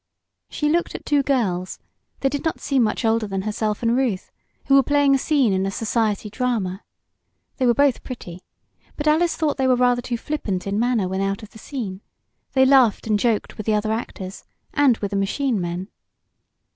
She looked at two girls they did not seem much older than herself and Ruth, who were playing a scene in a "society" drama. They were both pretty, but Alice thought they were rather too flippant in manner when out of the scene. They laughed and joked with the other actors, and with the machine men.